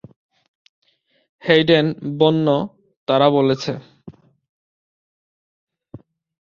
Hayden বন্য, তারা বলেছে।